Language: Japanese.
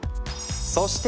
そして！